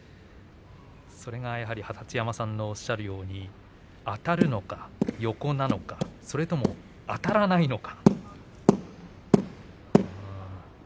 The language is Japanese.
それが、やはり二十山さんのおっしゃるようにあたるのか、横なのかそれともあたらないのか。